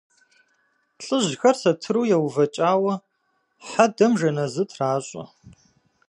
Лӏыжьхэр сатыру еувэкӏауэ хьэдэм жэназы тращӏэ.